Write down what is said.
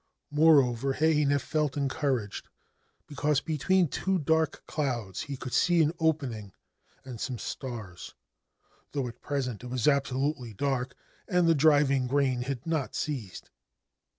Moreover, Heinei felt encouraged, because between two dark clouds he could see an opening and some stars, though at present it was absolutely dark and the driving rain had not ceased.